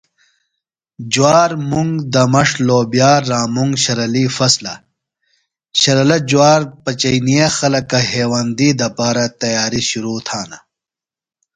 جوار ،منگ ،دمݜ ،لوبیا رامنگ شرلی فصلہ شرلہ جوار پچینے خلکہ ہیوندی دپارہ تیاری شرو تھانہ۔